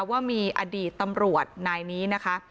ว่ามีอดีตตำรวจนายนี้นะคะ